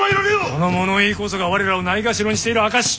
この物言いこそが我らをないがしろにしている証し！